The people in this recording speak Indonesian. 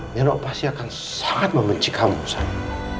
dan toh nyebeb nama papa tidak nanya